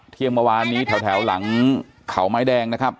เที่ยงเมื่อวานนี้แถวหลังเขาไม้แดงนะครับ